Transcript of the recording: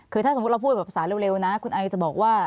คือถ้าสมมุติเราพูดแบบสายเร็วนะคุณไอจะบอกว่า